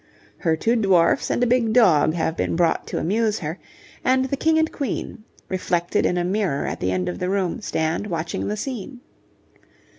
Her two dwarfs and a big dog have been brought to amuse her, and the King and Queen, reflected in a mirror at the end of the room, stand watching the scene.